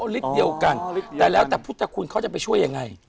อ๋อฤทธิ์เดียวกันอ๋อฤทธิ์เดียวกันแต่แล้วแต่พุทธคุณเขาจะไปช่วยยังไง